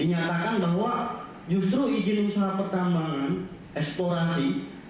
dinyatakan bahwa justru izin usaha pertambangan eksplorasi